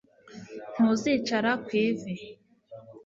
Ntuzicara ku ivi